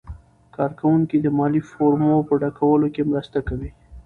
کارکوونکي د مالي فورمو په ډکولو کې مرسته کوي.